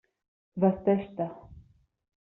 Vesteix-te.